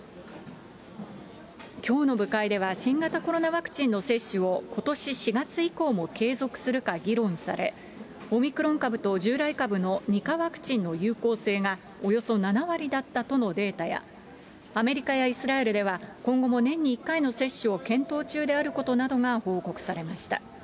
きょうの部会では、新型コロナワクチンの接種をことし４月以降も継続するか議論され、オミクロン株と従来株の２価ワクチンの有効性がおよそ７割だったとのデータや、アメリカやイスラエルでは、今後も年に１回の接種を検討中であることなどが報告されました。